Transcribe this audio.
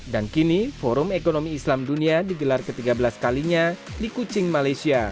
dan kini forum ekonomi islam dunia digelar ke tiga belas kalinya di kuching malaysia